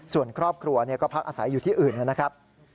ส่วนครอบครัวก็พักอาศัยอยู่ที่อื่นนะครับ